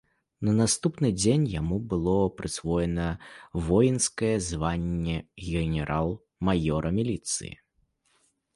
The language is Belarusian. На наступны дзень яму было прысвоена воінскае званне генерал-маёра міліцыі.